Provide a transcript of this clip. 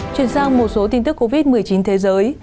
chuyển sang một số tin tức covid một mươi chín thế giới